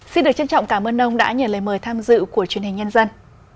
xin được trân trọng cảm ơn ông đã nhận lời mời tham dự của truyền hình nhân dân